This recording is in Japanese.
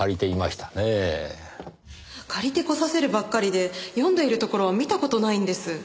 借りてこさせるばっかりで読んでいるところは見た事ないんです。